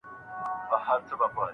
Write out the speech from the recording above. له بدو لارو ځان وساتئ.